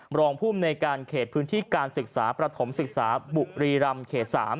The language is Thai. รองภูมิในการเขตพื้นที่การศึกษาประถมศึกษาบุรีรำเขต๓